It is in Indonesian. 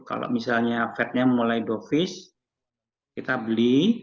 kalau misalnya fednya mulai dofis kita beli